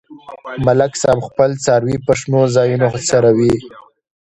ملک صاحب خپل څاروي په شنو ځایونو څرومي.